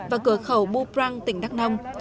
và cửa khẩu buprang tỉnh đắc nông